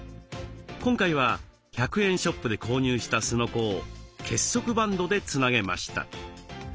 今回は１００円ショップで購入したすのこを結束バンドでつなげました。